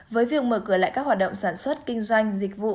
với việc mở cửa lại các hoạt động sản xuất kinh doanh dịch vụ